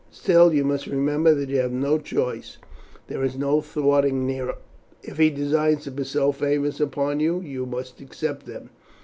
Still, you must remember you have no choice. There is no thwarting Nero; if he designs to bestow favours upon you, you must accept them.